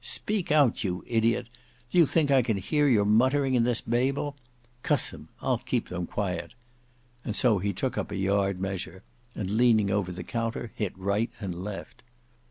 Speak out, you ideot! do you think I can hear your muttering in this Babel? Cuss them; I'll keep them quiet," and so he took up a yard measure, and leaning over the counter, hit right and left.